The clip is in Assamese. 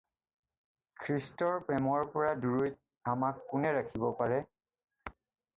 খ্ৰীষ্টৰ প্ৰেমৰ পৰা দূৰৈত আমাক কোনে ৰাখিব পাৰে?